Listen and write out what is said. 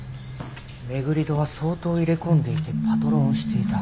廻戸は相当入れ込んでいてパトロンをしていた。